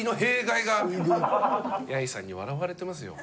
ヤイさんに笑われてますよ。